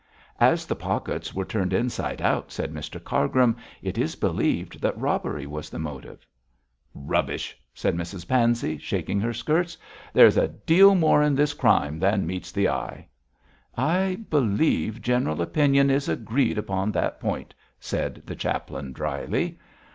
'As the pockets were turned inside out,' said Mr Cargrim, 'it is believed that robbery was the motive.' 'Rubbish!' said Mrs Pansey, shaking her skirts; 'there is a deal more in this crime than meets the eye.' 'I believe general opinion is agreed upon that point,' said the chaplain, dryly.